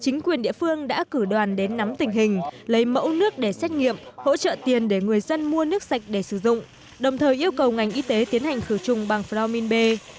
chính quyền địa phương đã cử đoàn đến nắm tình hình lấy mẫu nước để xét nghiệm hỗ trợ tiền để người dân mua nước sạch để sử dụng đồng thời yêu cầu ngành y tế tiến hành khử trùng bằng phlomin b